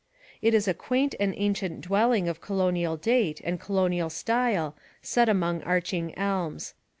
It is a quaint and ancient dwelling of colonial date and colonial style set among arching elms.